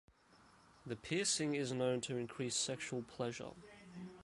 The piercing is known to increase sexual pleasure.